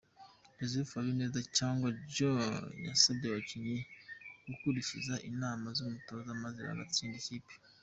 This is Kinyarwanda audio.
Joseph Habineza cyangwa Joe, yasabye abakinnyi gukurikiza inama z’umutoza maze bagatsinda ikipe.